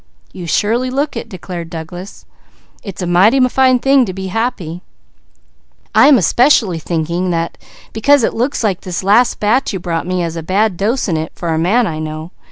"You surely look it," declared Douglas. "It's a mighty fine thing to be happy. I am especially thinking that, because it looks like this last batch you brought me has a bad dose in it for a man I know.